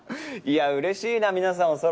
いや嬉しいな皆さん